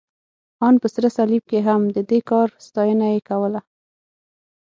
ان په سره صلیب کې هم، د دې کار ستاینه یې کوله.